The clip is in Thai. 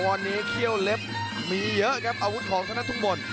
ตอนนี้เคี้ยวเล็บมีเยอะครับอาวุธของทางนั้นทุกคน